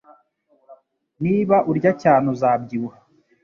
Niba urya cyane, uzabyibuha